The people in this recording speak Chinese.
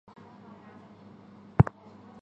她还是第十二届上海市人大代表。